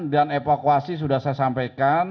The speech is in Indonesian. dan evakuasi sudah saya sampaikan